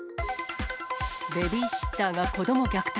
ベビーシッターが子ども虐待。